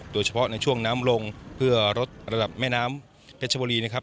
โดยเฉพาะในช่วงน้ำลงเพื่อลดระดับแม่น้ำเพชรบุรีนะครับ